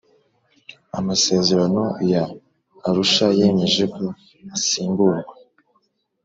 amasezerano ya Arushayemeje ko asimburwa